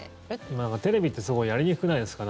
今、テレビってすごいやりにくくないですか。